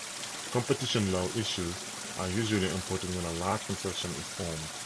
Competition law issues are usually important when a large consortium is formed.